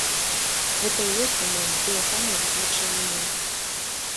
Гэта і ёсць, па-мойму, тыя самыя вытворчыя манеўры.